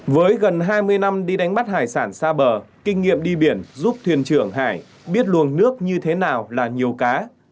với gần hai mươi năm đi đánh bắt hải sản xa bờ kinh nghiệm đi biển giúp thuyền trưởng hải biết luồng nước như thế nào là nhiều cá